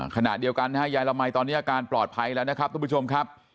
ขณะเดียวกันนะฮะยายละมัยตอนนี้อาการปลอดภัยแล้วนะครับทุกผู้ชมครับ